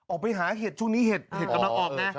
ออกไปหาเห็ดช่วงนี้เห็ดกำลังออกไง